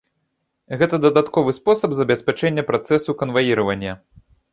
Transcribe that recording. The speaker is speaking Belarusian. Гэта дадатковы спосаб забеспячэння працэсу канваіравання.